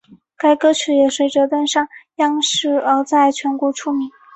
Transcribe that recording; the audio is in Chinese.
该歌曲也随着登上央视而在全国出名。